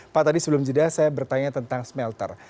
pak tadi sebelum jeda saya bertanya tentang smelter